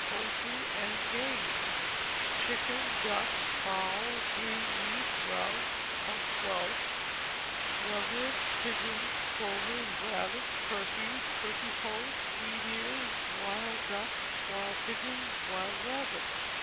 Poultry and Game. Chickens, ducks, fowls, green geese, grouse (from 12th), leverets, pigeons, plovers, rabbits, turkeys, turkey poults, wheat ears, wild ducks, wild pigeons, wild rabbits.